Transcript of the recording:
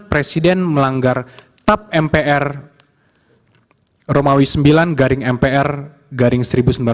presiden melanggar tap mpr romawi sembilan garing mpr garing seribu sembilan ratus empat puluh